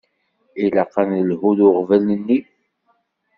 Ilaq ad d-nelhu d uɣbel-nni.